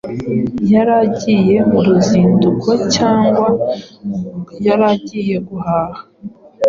yaragiye mu ruzinduko cyangwa yaragiye guhaha.